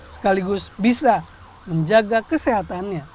sekaligus bisa menjaga kesehatannya